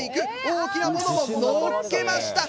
大きなものものっけました。